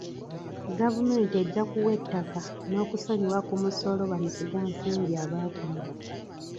Gavumenti ejja kuwa ettaka n'okusonyiwa ku musolo bamusigansimbi aba kuno.